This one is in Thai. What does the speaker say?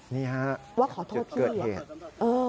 นี่ค่ะจุดเกิดเหตุว่าขอโทษพี่